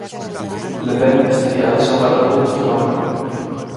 Le Pen estaría a só catro puntos de Macron.